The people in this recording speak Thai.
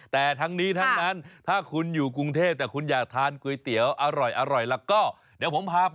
แต่ทั้งนี้ทั้งนั้นถ้าคุณอยู่กรุงเทพแต่คุณอยากทานก๋วยเตี๋ยวอร่อยแล้วก็เดี๋ยวผมพาไป